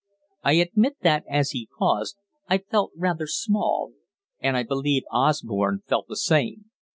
I admit that, as he paused, I felt rather "small"; and I believe Osborne felt the same.